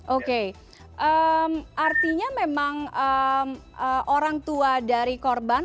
oke artinya memang orang tua dari korban